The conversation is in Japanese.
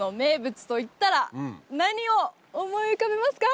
何を思い浮かべますか？